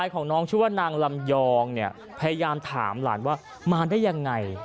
ของน้องชื่อว่านางลำยองเนี่ยพยายามถามหลานว่ามาได้ยังไง